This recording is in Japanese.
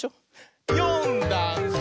「よんだんす」